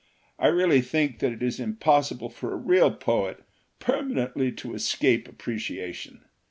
I really think that it is impossible for a real poet permanently to escape appreciation.